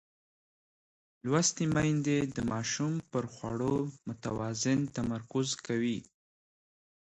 لوستې میندې د ماشوم پر خوړو متوازن تمرکز کوي.